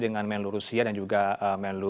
dengan menlu rusia dan juga menlu